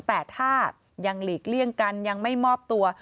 แต่ถ้ายังหลีกเลี่ยงกันยังไม่มอบตัว